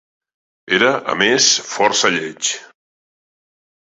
Era, a més, força lleig.